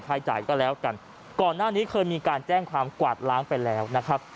จ่ายก็แล้วกันก่อนหน้านี้เคยมีการแจ้งความกวาดล้างไปแล้วนะครับ